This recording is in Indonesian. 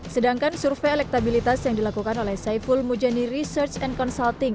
sedangkan survei elektabilitas yang dilakukan oleh saiful mujani research and consulting